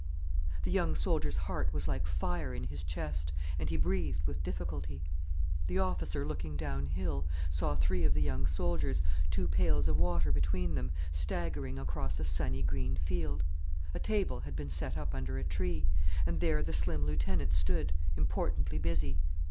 The young soldier's heart was like fire in his chest, and he breathed with difficulty. The officer, looking downhill, saw three of the young soldiers, two pails of water between them, staggering across a sunny green field. A table had been set up under a tree, and there the slim lieutenant stood, importantly busy.